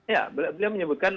ya beliau menyebutkan